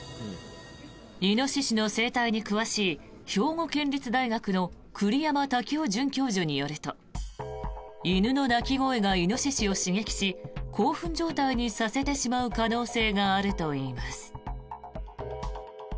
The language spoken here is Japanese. イノシシの生態に詳しい兵庫県立大学の栗山武夫准教授によると犬の鳴き声がイノシシを刺激し興奮状態にさせてしまう可能性があるといいます。